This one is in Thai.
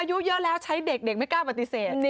อายุเยอะแล้วใช้เด็กเด็กไม่กล้าปฏิเสธ